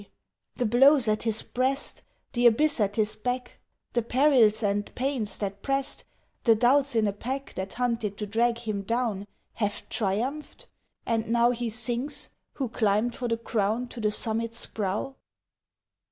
the blows at his breast, The abyss at his back, The perils and pains that pressed, The doubts in a pack, That hunted to drag him down Have triumphed? and now He sinks, who climbed for the crown To the Summit's brow?